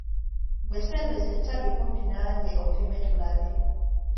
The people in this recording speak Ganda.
Ggwe sembeza ettabi kumpi nange opime tulabe!